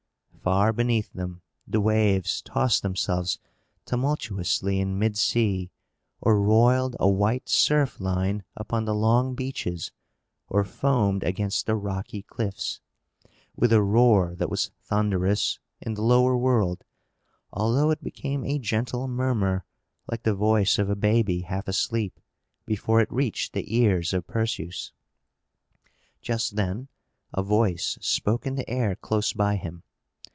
Far beneath them, the waves tossed themselves tumultuously in mid sea, or rolled a white surf line upon the long beaches, or foamed against the rocky cliffs, with a roar that was thunderous, in the lower world; although it became a gentle murmur, like the voice of a baby half asleep, before it reached the ears of Perseus. Just then a voice spoke in the air close by him.